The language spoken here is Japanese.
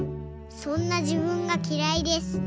そんなじぶんがきらいです。